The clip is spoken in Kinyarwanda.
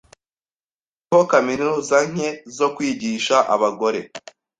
Hariho kaminuza nke zo kwigisha abagore